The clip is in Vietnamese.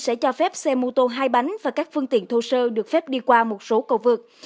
sẽ cho phép xe mô tô hai bánh và các phương tiện thô sơ được phép đi qua một số cầu vượt